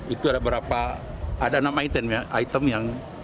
itu ada enam item yang sempurna